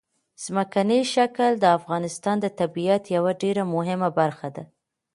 ځمکنی شکل د افغانستان د طبیعت یوه ډېره مهمه برخه ده.